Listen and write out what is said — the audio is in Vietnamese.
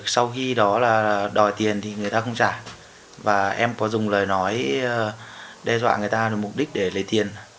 sau khi đó là đòi tiền thì người ta không trả và em có dùng lời nói đe dọa người ta mục đích để lấy tiền